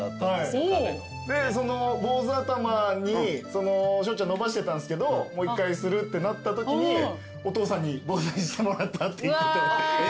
でその坊主頭に翔ちゃん伸ばしてたんですけどもう一回するってなったときにお父さんに坊主にしてもらったって言ってて。